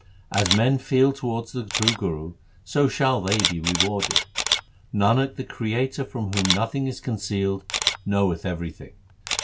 As men feel towards the true Guru, so shall they be rewarded. Nanak, the Creator from whom nothing is concealed, knoweth everything.